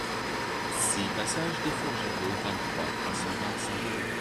six passage des Fourjadeaux, vingt-trois, trois cent vingt, Saint-Vaury